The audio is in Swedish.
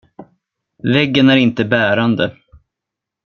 Väggen är inte bärande.